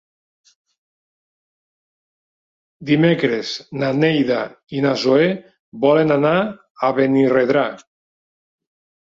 Dimecres na Neida i na Zoè volen anar a Benirredrà.